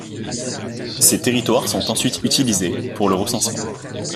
Ces territoires sont ensuite utilisés pour le recensement.